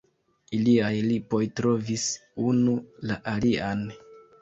Iliaj lipoj trovis unu la alian.